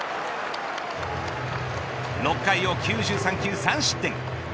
６回を９３球３失点。